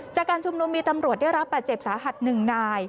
จากการชุมนุมมีตำรวจได้รับบาดเจ็บสาหัส๑นาย